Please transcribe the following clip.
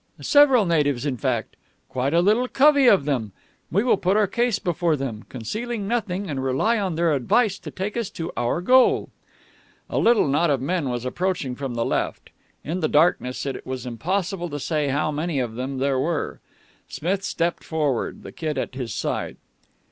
Several natives, in fact. Quite a little covey of them. We will put our case before them, concealing nothing, and rely on their advice to take us to our goal." A little knot of men was approaching from the left. In the darkness it was impossible to say how many of them were there. Smith stepped forward, the Kid at his side.